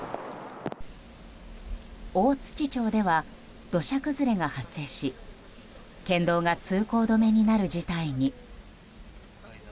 大槌町では、土砂崩れが発生し県道が通行止めになる事態に。